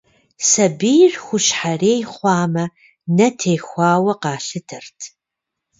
Сабийр хущхьэрей хъуамэ, нэ техуауэ къалъытэрт.